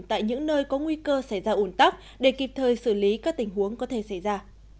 tại những nơi có nguy cơ xảy ra ủn tắc để kịp thời xử lý các tình huống có thể xảy ra